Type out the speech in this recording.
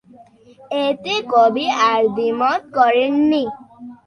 এতে কবি আর দ্বিমত করেন নি।